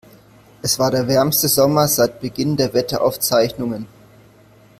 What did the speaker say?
Es war der wärmste Sommer seit Beginn der Wetteraufzeichnungen.